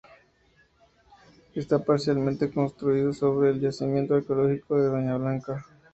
Está parcialmente construido sobre el yacimiento arqueológico de Doña Blanca.